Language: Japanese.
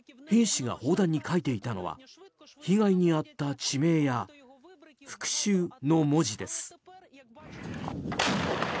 兵士が砲弾に書いていたのは被害に遭った地名や「復讐」の文字です。